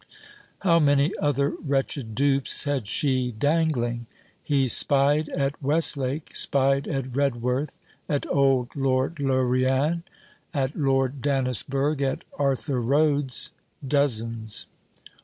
How many other wretched dupes had she dangling? He spied at Westlake, spied at Redworth, at old Lord Larrian, at Lord Dannisburgh, at Arthur Rhodes, dozens.